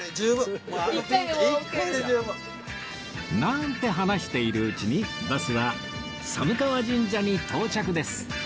なんて話しているうちにバスは寒川神社に到着です